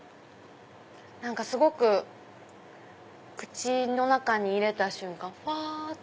何かすごく口の中に入れた瞬間ほわっと。